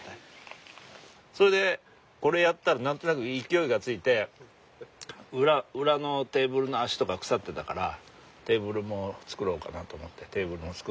それでこれやったら何となく勢いがついて裏のテーブルの脚とか腐ってたからテーブルも作ろうかなと思ってテーブルも作って。